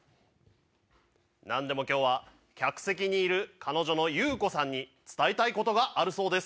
なんでもきょうは、客席にいる彼女のゆうこさんに伝えたいことがあるそうです。